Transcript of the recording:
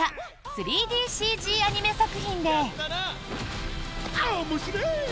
３ＤＣＧアニメ作品で。